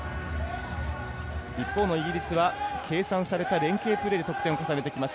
一方のイギリスは計算された連係プレーで得点を重ねてきます。